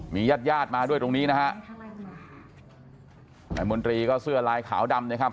ญาติญาติมาด้วยตรงนี้นะฮะนายมนตรีก็เสื้อลายขาวดำนะครับ